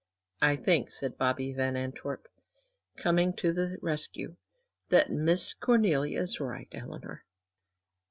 "I think," said Bobby Van Antwerp, coming to the rescue, "that Miss Cornelia is right, Eleanor.